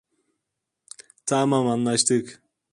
Tamam, anlaştık.